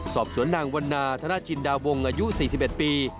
สอบสวนนางวันนาธนจินดาวงอายุ๔๑ปี